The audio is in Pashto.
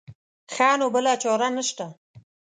ښه نو بله چاره نه شته.